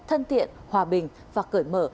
thân thiện hòa bình và cởi mở